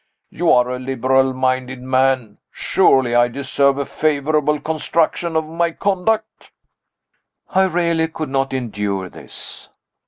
You are a liberal minded man. Surely I deserve a favorable construction of my conduct?" I really could not endure this.